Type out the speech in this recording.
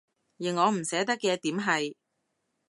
而我唔捨得嘅點係